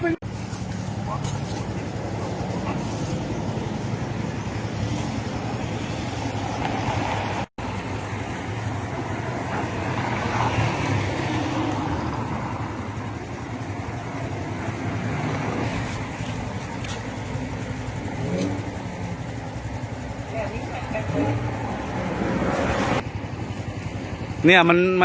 ประสบความหิตของกาลุ่ม